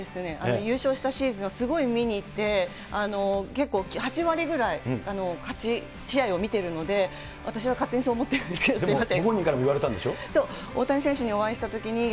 優勝したシーズンをすごい見に行って、結構、８割ぐらい勝ち試合を見てるので、私は勝手にそう思ってるんですけど、すみません。